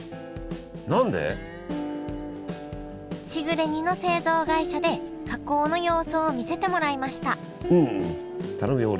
しぐれ煮の製造会社で加工の様子を見せてもらいました頼むよ